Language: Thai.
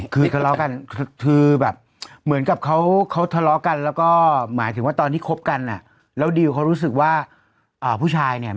เขาบอกเกิดจากยายดิวเนี่ยแหละถูกต้องไหม